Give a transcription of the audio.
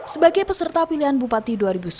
sebagai peserta pilihan bupati dua ribu sepuluh